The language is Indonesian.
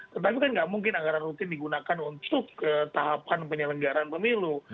tetapi kan nggak mungkin anggaran rutin digunakan untuk tahapan penyelenggaran pemilu